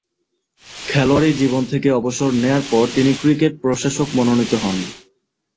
খেলোয়াড়ী জীবন থেকে অবসর নেয়ার পর তিনি ক্রিকেট প্রশাসক মনোনীত হন।